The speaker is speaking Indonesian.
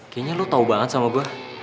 kayaknya lo tau banget sama bar